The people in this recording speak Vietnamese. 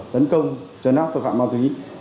tấn công trên nóc tội phạm ma túy